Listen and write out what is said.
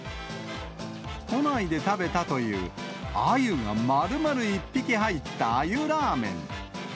都内で食べたという、鮎がまるまる１匹入った鮎ラーメン。